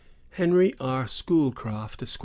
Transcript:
Henry R. Schoolcraft, Esq.